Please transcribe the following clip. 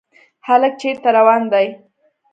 هلک چېرته روان دی ؟